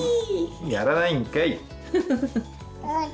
やらないんかい。